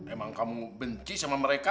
emang kamu benci sama mereka